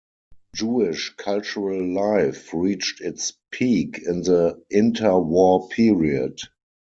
Jewish cultural life reached its peak in the inter-war period.